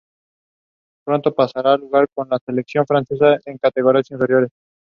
Pronto pasaría a jugar con la selección francesa en categorías inferiores.